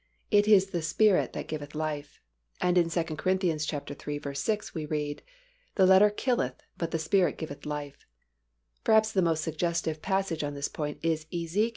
"It is the Spirit that giveth life," and in 2 Cor. iii. 6, we read, "The letter killeth, but the Spirit giveth life." Perhaps the most suggestive passage on this point is Ezek.